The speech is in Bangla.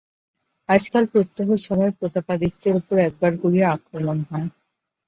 আজকাল প্রত্যহ সভায় প্রতাপাদিত্যের উপর একবার করিয়া আক্রমণ হয়।